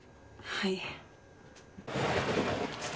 はい。